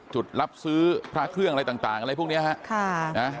จุดรับซื้อพระเครื่องอะไรต่างอะไรพวกนี้ฮะ